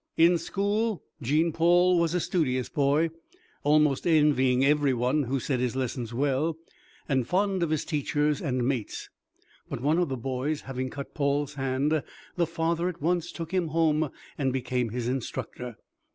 In school, Jean Paul was a studious boy, almost envying every one who said his lessons well, and fond of his teachers and mates; but one of the boys having cut Paul's hand, the father at once took him home and became his instructor.